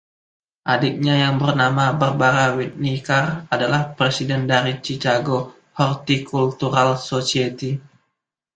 Adiknya yang bernama Barbara Whitney Carr adalah presiden dari Chicago Horticultural Society.